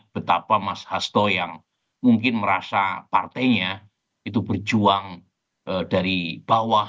betapa mas hasto yang mungkin merasa partainya itu berjuang dari bawah